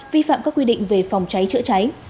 vi phạm các quy định về phòng cháy chữa cháy